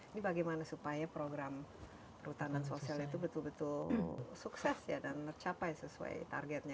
ini bagaimana supaya program perhutanan sosial itu betul betul sukses ya dan tercapai sesuai targetnya